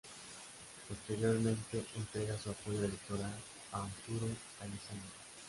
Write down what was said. Posteriormente entrega su apoyo electoral a Arturo Alessandri.